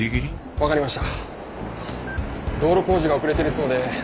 わかりました。